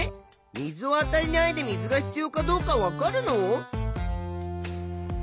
水をあたえないで水が必要かどうかわかるの？